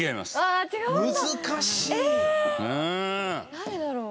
誰だろう？